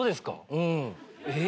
うん。えっ？